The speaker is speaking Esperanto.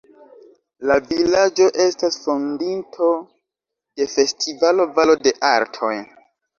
La vilaĝo estas fondinto de festivalo Valo de Artoj.